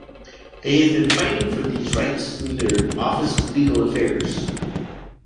They have been fighting for these rights through their Office of Legal Affairs.